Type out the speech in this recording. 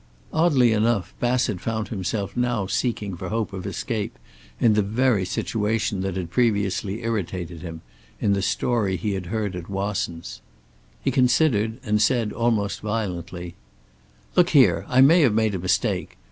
Oddly enough, Bassett found himself now seeking for hope of escape in the very situation that had previously irritated him, in the story he had heard at Wasson's. He considered, and said, almost violently: "Look here, I may have made a mistake.